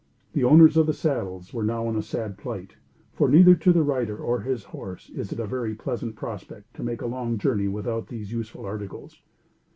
The owners of the saddles were now in a sad plight; for, neither to the rider or his horse is it a very pleasant prospect to make a long journey without these useful articles.